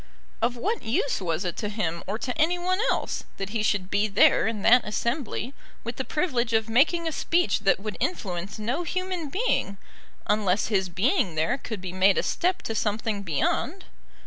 Of what use was it to him or to any one else that he should be there in that assembly, with the privilege of making a speech that would influence no human being, unless his being there could be made a step to something beyond?